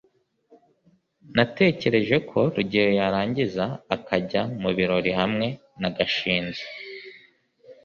natekereje ko rugeyo yarangiza akajya mubirori hamwe na gashinzi